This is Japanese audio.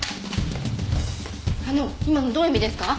あの今のどういう意味ですか？